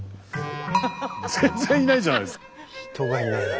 全然いないじゃないですか。